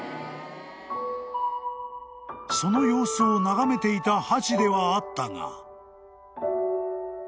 ［その様子を眺めていたハチではあったが］